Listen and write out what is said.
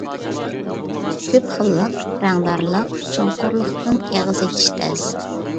كۆپ خىللىق، رەڭدارلىق، چوڭقۇرلۇقتىن ئېغىز ئېچىش تەس.